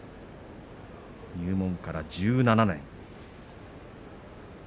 入門から１７年です。